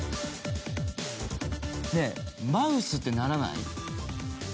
ねぇマウスってならない？